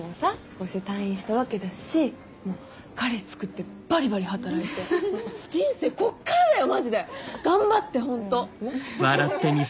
こうして退院したわけだし彼氏つくってバリバリ働いて人生こっからだよマジで頑張って本当！